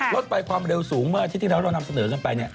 รถไฟความเร็วสูงเมื่ออาทิตย์ที่แล้วเรานำเสนอกันไป